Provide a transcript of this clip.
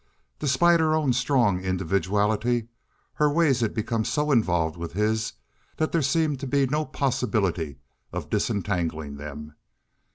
Despite her own strong individuality, her ways had become so involved with his that there seemed to be no possibility of disentangling them.